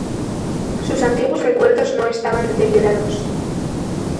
Sus antiguos recuerdos no estaban deteriorados.